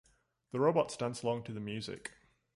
The robots dance along to the music.